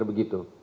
oleh karena itu